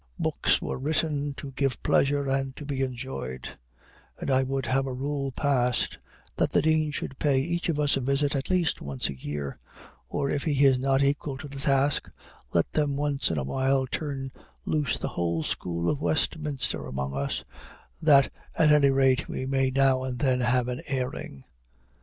Books were written to give pleasure and to be enjoyed; and I would have a rule passed that the dean should pay each of us a visit at least once a year; or if he is not equal to the task, let them once in a while turn loose the whole school of Westminster among us, that at any rate we may now and then have an airing."